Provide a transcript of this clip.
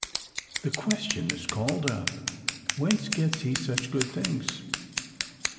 The question is called up, Whence gets he such good things?